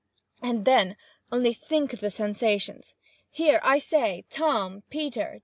—and then only think of the sensations! Here! I say—Tom!—Peter!